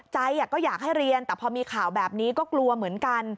ใจก็อยากให้เรียนแต่พอมีข่าวแบบนี้ก็กลัวเหมือนกัน